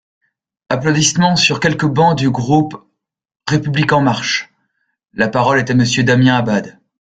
(Applaudissements sur quelques bancs du groupe REM.) La parole est à Monsieur Damien Abad.